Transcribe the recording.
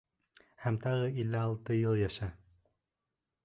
Һәм тағы илле алты йыл йәшә!